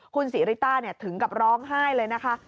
คุณศรีริต้าถึงกับร้องไห้เลยนะคะ